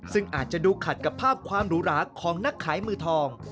ซึ่งอาจจะดูขัดกับภาพความหรูหราของนักขายมือทอง